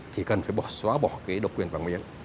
thì cần phải xóa bỏ cái độc quyền vàng miếng